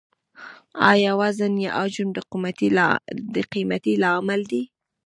آیا وزن یا حجم د قیمتۍ لامل دی؟